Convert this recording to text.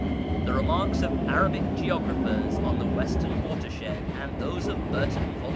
The remarks of Arabic geographers on the Western watershed, and those of Burton, vol.